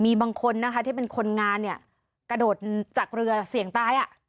มีบางคนนะคะที่เป็นคนงานเนี่ยกระโดดจากเรือเสี่ยงตายอ่ะ